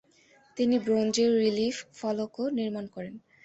তিনি ব্রোঞ্জের রিলিফ ফলকও নির্মাণ করেন।